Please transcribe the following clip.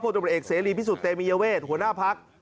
โพธิบริเอกเสรีพิสุทธิ์เตมียเวทหัวหน้าภักดิ์